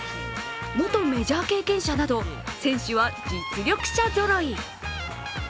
元メジャー経験者など選手は実力者ぞろい。